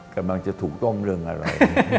กำลังจะถูกต้องเรื่องอะไร